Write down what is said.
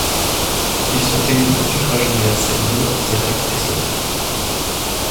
Ils sont élus au suffrage universel, libre, direct et secret.